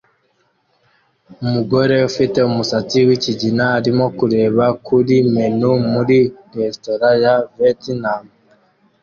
Umugore ufite umusatsi wikigina arimo kureba kuri menu muri resitora ya Vietnam